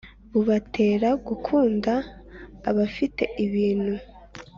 Bubatera gukunda abifite ibintu